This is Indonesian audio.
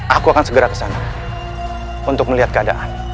aku akan segera kesana untuk melihat keadaan